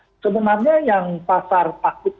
ya sebenarnya yang pasar takut itu